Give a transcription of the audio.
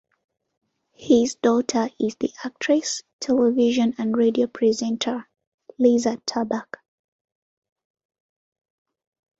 His daughter is the actress, television and radio presenter, Liza Tarbuck.